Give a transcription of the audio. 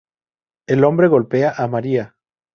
El hombre golpea a maria.